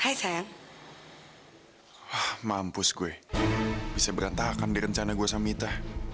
hai sayang hai mampus gue bisa berantakan di rencana gua samita